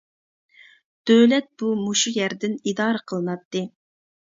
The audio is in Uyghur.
دۆلەت بۇ مۇشۇ يەردىن ئىدارە قىلىناتتى.